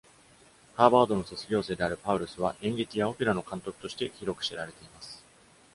ハーバードの卒業生である Paulus は、演劇やオペラの監督として広く知られています。